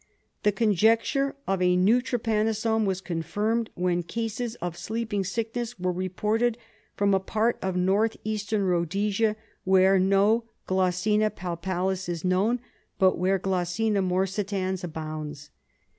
The conjecture of a new trypanosome was confirmed when cases of sleeping sick ness were reported from a part of N.E. Rhodesia where no G. jmlpalis is known, but where G. morsitans abounds.